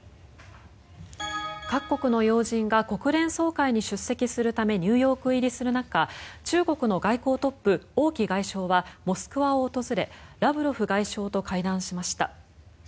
各国の要人が国連総会に出席するためニューヨーク入りする中中国の外交トップ、王毅外相はモスクワを訪れラブロフ外相と会談しました。